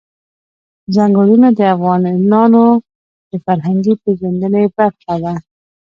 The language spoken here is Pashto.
ځنګلونه د افغانانو د فرهنګي پیژندنې برخه ده.